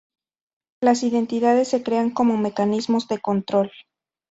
las identidades se crean como mecanismos de control